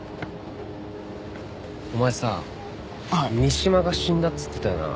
お前さ三島が死んだって言ってたよな。